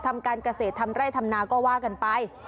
ทำการเกษตรทำไร่ทำนาก็ว่ากันไป